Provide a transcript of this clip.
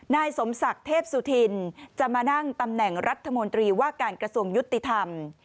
นายสมศักดิ์เทพสุธินจะมานั่งตำแหน่งรัฐมนตรีว่าการกระทรวงยุติธรรม